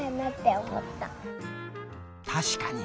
たしかに。